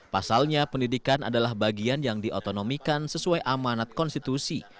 pasalnya pendidikan adalah bagian yang diotonomikan sesuai amanat konstitusi